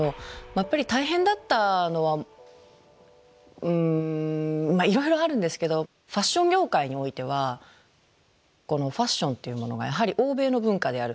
やっぱり大変だったのはうんいろいろあるんですけどファッション業界においてはこのファッションっていうものがやはり欧米の文化である。